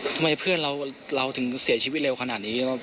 เพื่อนเราถึงเสียชีวิตเร็วขนาดนี้